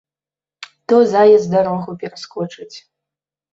То заяц дарогу пераскочыць.